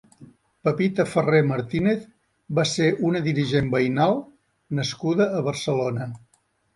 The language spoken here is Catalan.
Pepita Ferrer Martínez va ser una dirigent veïnal nascuda a Barcelona.